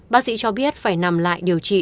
bác sĩ cho biết phải nằm lại điều trị